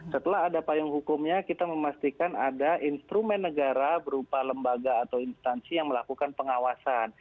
setelah ada payung hukumnya kita memastikan ada instrumen negara berupa lembaga atau instansi yang melakukan pengawasan